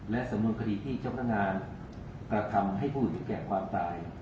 และสำนวนคดีที่เจ้าพนักงานกระทำให้ผู้อื่นแก่ความตาย